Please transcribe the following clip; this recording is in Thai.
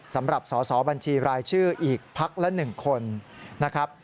สำหรับสอสอบัญชีรายชื่ออีกพักละ๑คนนะครับ